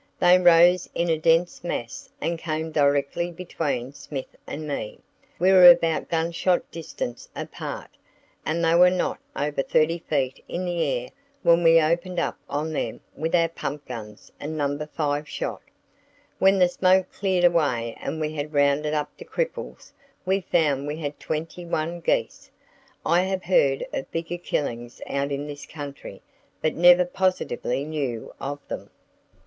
They rose in a dense mass and came directly between Smith and me. We were about gunshot distance apart, and they were not over thirty feet in the air when we opened up on them with our pump guns and No. 5 shot. When the smoke cleared away and we had rounded up the cripples we found we had twenty one geese. I have heard of bigger killings out in this country, but never positively knew of them."